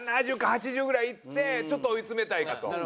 ７０か８０ぐらいいってちょっと追い詰めたいかなと。